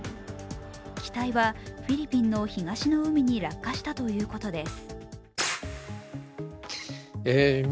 機体はフィリピンの東の海に落下したということです。